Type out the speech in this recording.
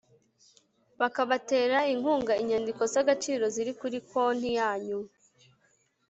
bakabaterainkungainyandiko zagaciro ziri kuri konti yanyu